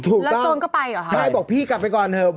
ถูกแล้วโจรก็ไปเหรอคะใช่บอกพี่กลับไปก่อนเถอะ